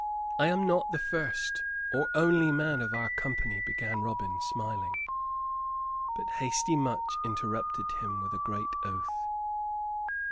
"I am not the first or only man of our company," began Robin, smiling; but hasty Much interrupted him with a great oath.